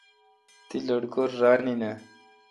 تی لٹکور ران این آں؟